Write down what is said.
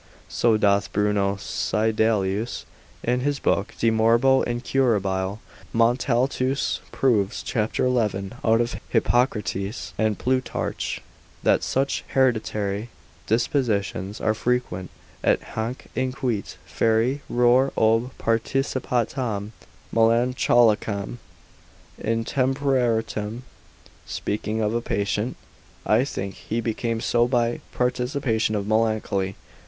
So doth Bruno Seidelius in his book de morbo incurab. Montaltus proves, cap. 11, out of Hippocrates and Plutarch, that such hereditary dispositions are frequent, et hanc (inquit) fieri reor ob participatam melancholicam intemperantiam (speaking of a patient) I think he became so by participation of Melancholy.